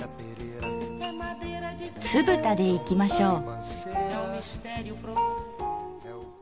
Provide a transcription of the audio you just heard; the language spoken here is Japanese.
すぶたでいきましょう。